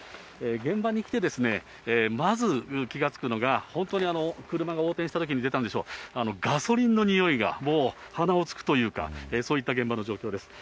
現場に来てですね、まず気が付くのが、本当に車が横転したときに出たんでしょう、ガソリンの臭いがもう、鼻をつくというか、そういった現場の状況です。